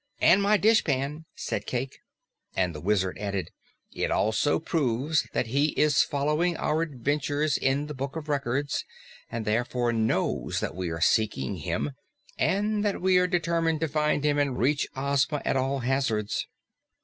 "And my dishpan," said Cayke. And the Wizard added, "It also proves that he is following our adventures in the Book of Records, and therefore knows that we are seeking him and that we are determined to find him and reach Ozma at all hazards."